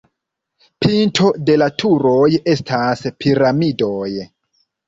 Pinto de la turoj estas piramidoj.